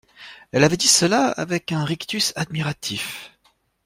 Elle avait dit cela avec un rictus admiratif.